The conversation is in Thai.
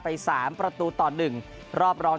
ไป๓ประตูต่อ๑รอบรอง